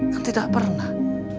kan tidak pernah